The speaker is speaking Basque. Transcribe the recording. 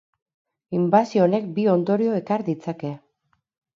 Inbasio honek bi ondorio ekar ditzake.